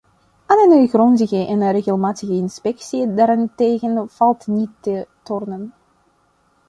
Aan een grondige en regelmatige inspectie daarentegen valt niet te tornen.